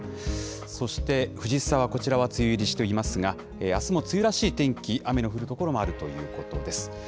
そして藤沢、こちらは梅雨入りしていますが、あすも梅雨らしい天気、雨の降る所もあるということです。